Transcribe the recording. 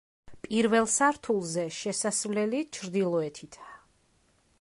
პირველ სართულზე შესასვლელი ჩრდილოეთითაა.